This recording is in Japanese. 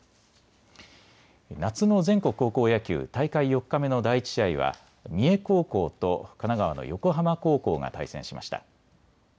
夏の全国高校野球、大会４日目の第１試合は三重高校と神奈川の横浜高校が対戦しました。